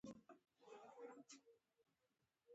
غوړ هم د انرژۍ سرچینه ده